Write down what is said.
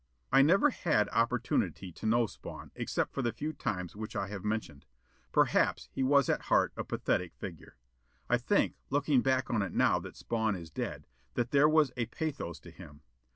I never had opportunity to know Spawn, except for the few times which I have mentioned. Perhaps he was at heart a pathetic figure. I think, looking back on it now that Spawn is dead, that there was a pathos to him.